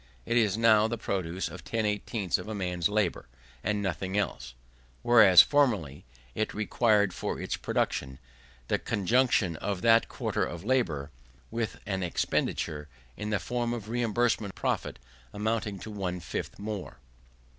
It is now the produce of 10/18 of a man's labour, and nothing else; whereas formerly it required for its production the conjunction of that quantity of labour with an expenditure, in the form of reimbursement of profit, amounting to one fifth more.